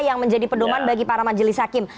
yang menjadi pedoman bagi para majelis hakim